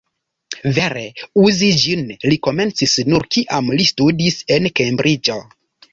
Vere uzi ĝin li komencis nur, kiam li studis en Kembriĝo.